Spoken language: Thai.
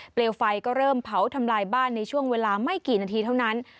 เลวไฟก็เริ่มเผาทำลายบ้านในช่วงเวลาไม่กี่นาทีเท่านั้น